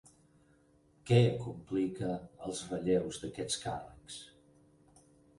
Què complica els relleus d'aquests càrrecs?